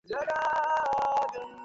তুমি তাকে কোথায় খুঁজে পেলে?